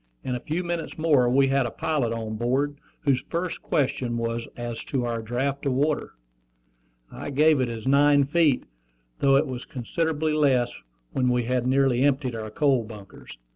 In a few minutes more we had a pilot on board, whose first question was as to our draft of water. I gave it as nine feet, though it was considerably less when we had nearly emptied our coal bunkers.